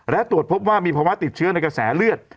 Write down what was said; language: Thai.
และตรวจพบว่ามีภาวะติดเชื้อในกระแสเลือด